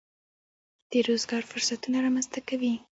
د روزګار فرصتونه رامنځته کوي.